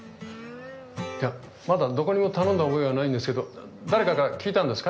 いやまだどこにも頼んだ覚えはないんですけど誰かから聞いたんですか？